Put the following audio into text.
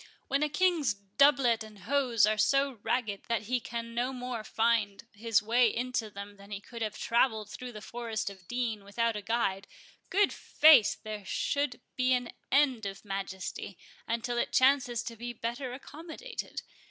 —"When a King's doublet and hose are so ragged that he can no more find his way into them than he could have travelled through the forest of Deane without a guide, good faith, there should be an end of Majesty, until it chances to be better accommodated.